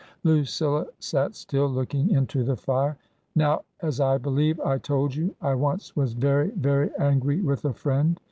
Lucilla sat still, looking into the fire. " Now, as I believe I told you, I once was very, very angry with a friend.